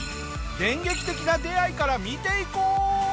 電撃的な出会いから見ていこう！